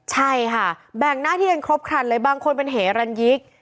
ใช่ค่ะแบ่งหน้าที่กันครบครันเลยบางคนเป็นเหรันยิก